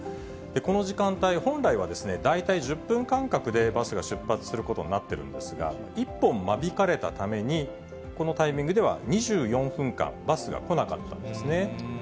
この時間帯、本来は大体１０分間隔でバスが出発することになってるんですが、１本間引かれたために、このタイミングでは、２４分間、バスが来なかったんですね。